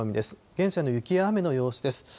現在の雪や雨の様子です。